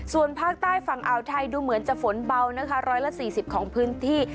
ส่วนภาคใต้ฝั่งอ่าวไทยดูเหมือนจะฝนเบานะคะ๑๔๐ของพื้นที่